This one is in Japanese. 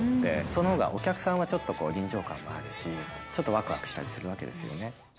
そのほうが、お客さんはちょっと臨場感があるし、ちょっとわくわくしたりするわけですよね。